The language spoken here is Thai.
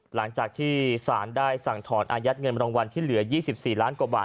หลังจากที่สารได้สั่งถอนอายัดเงินรางวัลที่เหลือ๒๔ล้านกว่าบาท